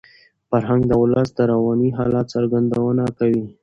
فرهنګ د ولس د رواني حالت څرګندونه کوي.